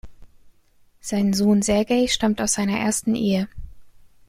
Sein Sohn Sergej stammt aus seiner ersten Ehe.